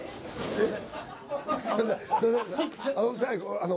えっ！？